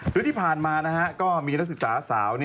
โดยที่ผ่านมาก็มีนักศึกษาสาว